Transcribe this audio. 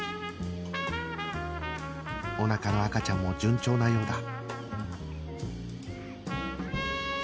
おなかの赤ちゃんも順調なようだ